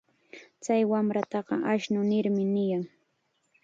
Chay wamrataqa ashnu nirmi niyan.